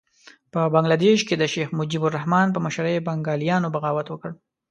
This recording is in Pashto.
په بنګه دېش کې د شیخ مجیب الرحمن په مشرۍ بنګالیانو بغاوت وکړ.